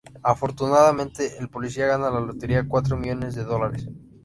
Afortunadamente, el policía gana la lotería: cuatro millones de dólares.